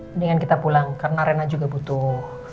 mendingan kita pulang karena rena juga butuh